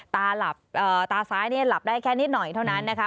ตาซ้ายเนี่ยหลับได้แค่นิดหน่อยเท่านั้นนะคะ